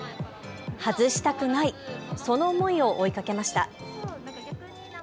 外したくない、その思いを追いかけました。